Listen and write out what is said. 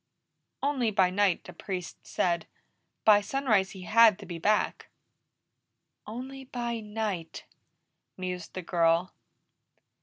"Only by night, the Priest said. By sunrise he had to be back." "Only by night!" mused the girl.